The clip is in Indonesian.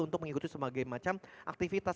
untuk mengikuti semacam aktivitas